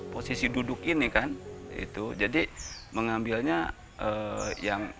posisi duduk ini kan jadi mengambilnya yang dianggapnya